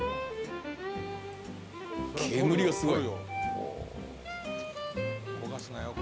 煙がすごい。